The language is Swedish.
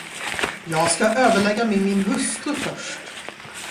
Jag skall överlägga med min hustru först.